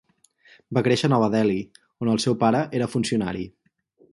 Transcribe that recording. Va créixer a Nova Delhi, on el seu pare era funcionari.